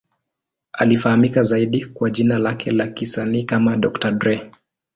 Anafahamika zaidi kwa jina lake la kisanii kama Dr. Dre.